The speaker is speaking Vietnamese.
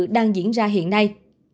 đang diễn ra hiện nay